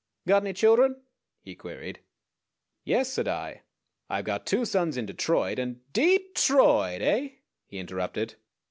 "Got any children?" he queried. "Yes," said I, "I've got two sons in Detroit, and " "Dee troit, eh?" he interrupted.